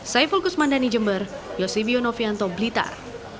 saya fulkus mandani jember yosibio novianto blitar